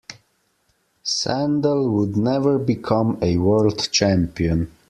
Sandel would never become a world champion.